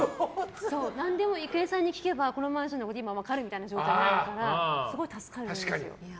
何でも、郁恵さんに聞けばこのマンションのこと分かるみたいになるからすごい助かるんですよ。